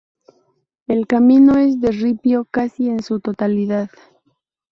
El camino es de ripio casi en su totalidad.